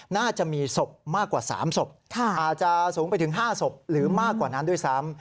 น่าจะมีศพมากกว่า๓ศพอาจจะสูงไปถึง๕ศพหรือมากกว่านั้นด้วยซ้ำ